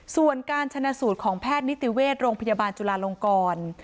ส่วนการชนะสูตรของแพทย์นิติเวชโรงพยาบาลจุลาลงกร